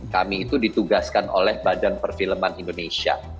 kami itu ditugaskan oleh badan perfilman indonesia